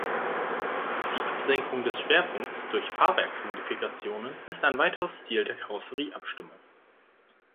Die Absenkung des Schwerpunkts durch Fahrwerksmodifikationen ist ein weiteres Ziel der Karosserieabstimmung.